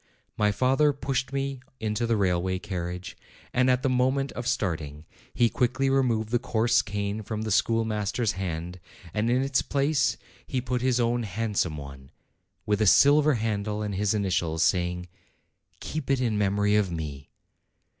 My father pushed me into the railway carriage, and at the moment of starting he quickly re moved the coarse cane from the schoolmaster's hand, and in its place he put his own handsome one, with a silver handle and his initials, saying, "Keep it in memory of me."